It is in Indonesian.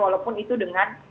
walaupun itu dengan